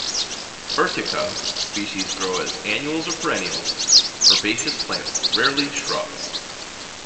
"Urtica" species grow as annuals or perennial herbaceous plants, rarely shrubs.